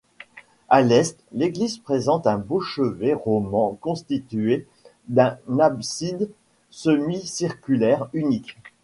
À l'est, l'église présente un beau chevet roman constitué d'une abside semi-circulaire unique.